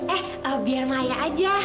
eh biar maya aja